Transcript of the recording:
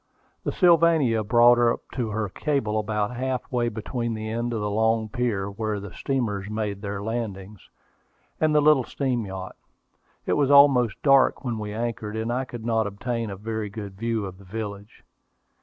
The Sylvania brought up to her cable about half way between the end of the long pier, where the steamers made their landings, and the little steam yacht. It was almost dark when we anchored, and I could not obtain a very good view of the village.